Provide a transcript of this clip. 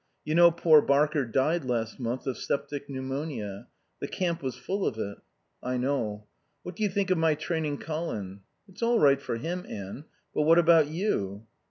You know poor Barker died last month of septic pneumonia. The camp was full of it." "I know." "What do you think of my training Colin?" "It's all right for him, Anne. But how about you?"